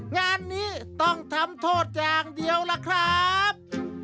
งานนี้ต้องทำโทษอย่างเดียวล่ะครับ